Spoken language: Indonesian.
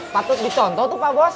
patut dicontoh tuh pak bos